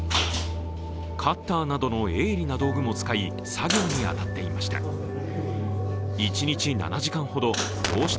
カッターなどの鋭利な道具も使い、作業に当たっていました。